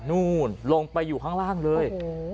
นู่นลงไปอยู่ข้างล่างเลย